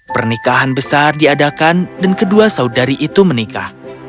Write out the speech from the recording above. pernikahan besar diadakan dan kedua saudari itu menikah